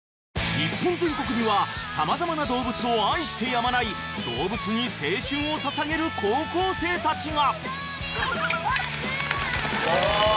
［日本全国には様々な動物を愛してやまない動物に青春を捧げる高校生たちが］